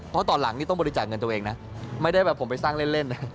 เพราะตอนหลังนี่ต้องบริจาคเงินตัวเองนะไม่ได้แบบผมไปสร้างเล่นนะ